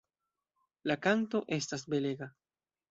La kanto estas belega.